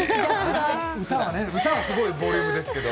歌はすごいボリュームですけど。